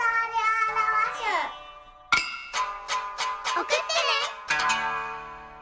おくってね！